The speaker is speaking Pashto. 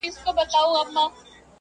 توپاني سوه ډوبېدو ته سوه تیاره!.